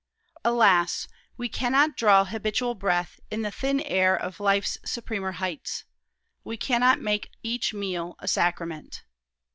"Alas! we can not draw habitual breath in the thin air of life's supremer heights. We can not make each meal a sacrament."